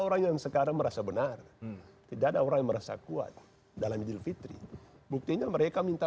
orang yang sekarang merasa benar tidak ada orang yang merasa kuat dalam idul fitri buktinya mereka minta